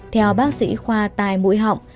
theo bác sĩ khoa tai mũi họng